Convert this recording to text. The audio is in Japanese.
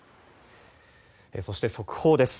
そして、速報です。